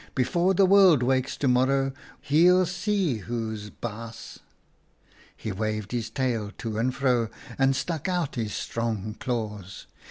' Be fore the world wakes to morrow he'll see who's baas.' " He waved his tail to and fro and stuck out his strong claws.